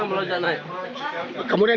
kemudian yang dijual jual di sini